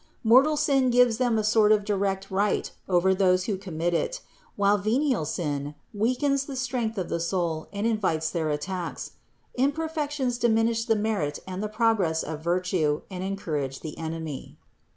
Mortal sin gives them a sort of direct right over those who commit it; while venial sin weakens the strength of the soul and invites their attacks. Imperfections diminish the merit and the progress of virtue, and encourage the enemy.